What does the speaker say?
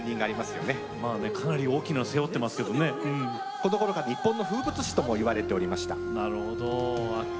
このころから日本の風物詩と言われておりました。